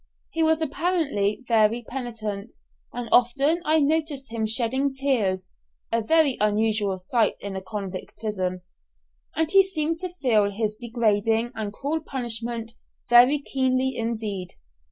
He was apparently very penitent, and often I noticed him shedding tears (a very unusual sight in a convict prison), and he seemed to feel his degrading and cruel punishment very keenly indeed.